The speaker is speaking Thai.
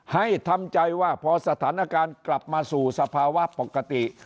ให้ทำใจว่าพอสถานการณ์กลับมาสู่สภาวะปกติ